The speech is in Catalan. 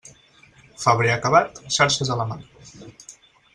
Febrer acabat, xarxes a la mar.